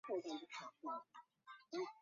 学界对于探马赤军的解释有许多说法。